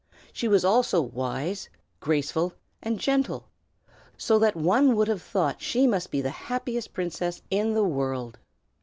She was also wise, graceful, and gentle, so that one would have thought she must be the happiest princess in the world.